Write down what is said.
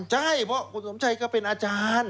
ใช่เพราะคุณสมชัยก็เป็นอาจารย์